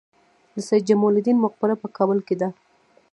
د سید جمال الدین مقبره په کابل کې ده